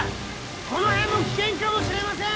この辺も危険かもしれません！